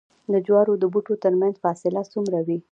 د جوارو د بوټو ترمنځ فاصله څومره وي؟